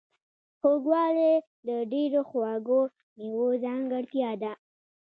خوږوالی د ډیرو خواږو میوو ځانګړتیا ده.